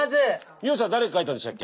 美穂さん誰描いたんでしたっけ？